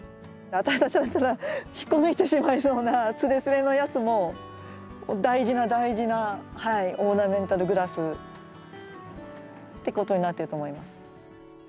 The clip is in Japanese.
私たちだったら引っこ抜いてしまいそうなすれすれのやつも大事な大事なオーナメンタルグラスってことになってると思います。